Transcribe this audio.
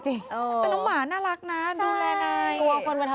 แต่น้องหมาน่ารักนะดูแลนาย